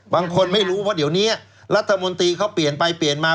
บางคนไม่รู้ว่าเดี๋ยวนี้รัฐมนตรีเขาเปลี่ยนไปเปลี่ยนมา